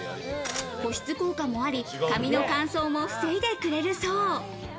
保湿効果もあり、髪の乾燥も防いでくれるそう。